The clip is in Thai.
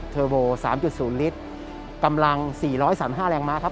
เทอร์โว๓๐ลิตรกำลัง๔๓๕แรงม้าครับ